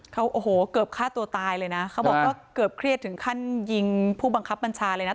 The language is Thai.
เขาโอ้โหเกือบฆ่าตัวตายเลยนะเขาบอกว่าเกือบเครียดถึงขั้นยิงผู้บังคับบัญชาเลยนะ